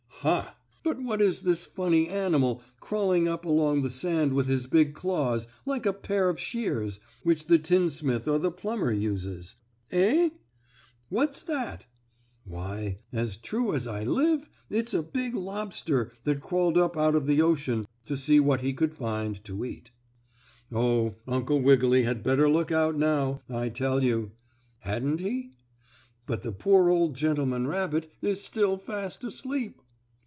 Ha! But what is this funny animal crawling up along the sand with his big claws like a pair of shears which the tinsmith or the plumber uses? Eh? What's that? Why, as true as I live it's a big lobster that crawled up out of the ocean to see what he could find to eat. Oh, Uncle Wiggily had better look out now, I tell you; hadn't he? But the poor old gentleman rabbit is still fast asleep.